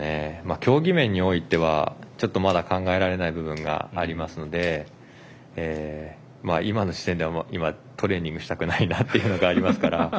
競技面においてはちょっとまだ考えられない部分がありますので今の時点ではトレーニングしたくないなというのがありますから。